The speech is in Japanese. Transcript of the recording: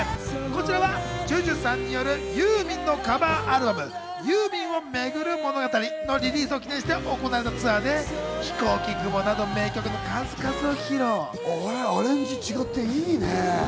こちらはＪＵＪＵさんによるユーミンのカバーアルバム、ユーミンをめぐる物語のリリースを記念して行われたツアーで、『ひこうき雲』など名曲の数々をアレンジ違っていいね。